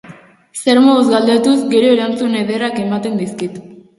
Zer moduz galdetuz gero erantzun ederrak ematen dizkit.